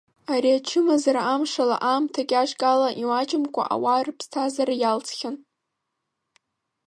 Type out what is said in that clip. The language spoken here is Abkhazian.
Ари ачымазара амшала аамҭа каҿк ала имаҷымкәа ауаа рыԥсҭазаара иалҵхьан.